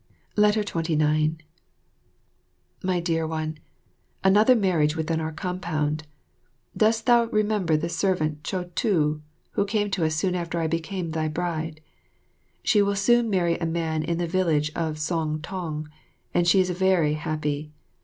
29 My Dear One, Another marriage within our compound. Dost thou remember the servant Cho to, who came to us soon after I became thy bride? She will soon marry a man in the village of Soong tong, and she is very happy.